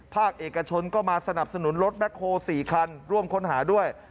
ภาคเอกชนก็มาสนับสนุนรถแบ็คโฮล๔คันร่วมค้นหาด้วย